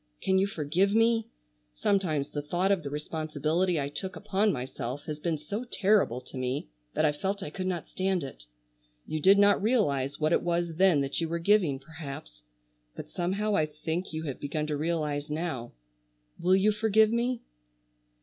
Can you forgive me? Sometimes the thought of the responsibility I took upon myself has been so terrible to me that I felt I could not stand it. You did not realize what it was then that you were giving, perhaps, but somehow I think you have begun to realize now. Will you forgive me?"